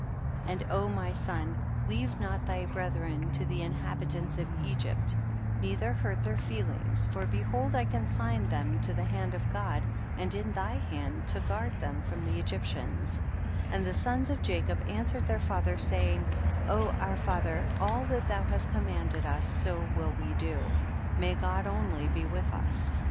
And O my son leave not thy brethren to the inhabitants of Egypt, neither hurt their feelings, for behold I consign them to the hand of God and in thv hand to guard them from the Egyptians ; and the sons of Jacob answered their father saying, O, our father, all that thou hast commanded us, so will we do ; may God only be with us.